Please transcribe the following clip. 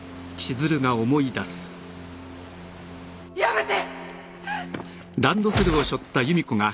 やめて！